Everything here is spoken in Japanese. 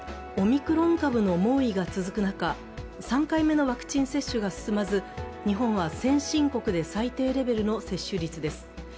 オミクロン株の猛威が続く中、３回目のワクチン接種が進まず、日本は先進国で最低レベルの接種率です。